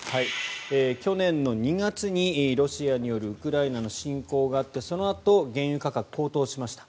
去年の２月にロシアによるウクライナの侵攻があってそのあと原油価格が高騰しました。